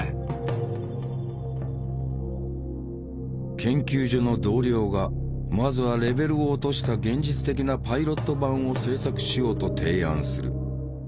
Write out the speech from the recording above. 研究所の同僚がまずはレベルを落とした現実的なパイロット版を製作しようと提案する。